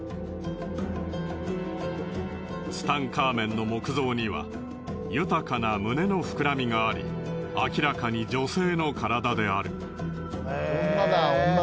ツタンカーメンの木像には豊かな胸の膨らみがあり明らかに女性の体である。